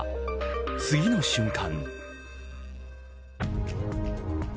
次の瞬間。